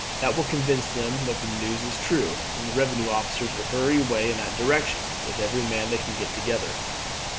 That will convince them that the news is true, and the revenue officers will hurry away in that direction with every man they can get together.